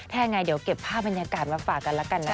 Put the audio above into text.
แท้ไงเดี๋ยวเก็บภาพบรรยากาศมาฝากกันละกันนะคะ